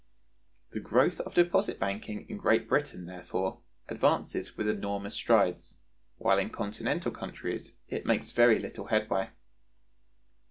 The growth of deposit banking in Great Britain, therefore, advances with enormous strides, while in Continental countries it makes very little headway.